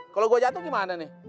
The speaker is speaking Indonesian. kalau gue jatuh gimana nih